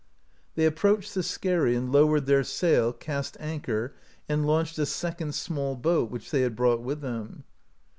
They approached the skerry, and lowered their sail cast anchor and launched a second small boat, which they had brought with them.